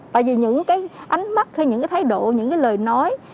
tại vì những cái ánh mắt hay những cái thái độ những cái lời nói